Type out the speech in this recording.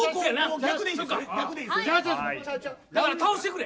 だから倒してくれ。